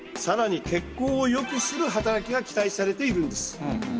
さらに血行を良くする働きが期待されているんです。